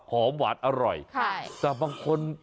หอมหวานอร่อยแต่บางคน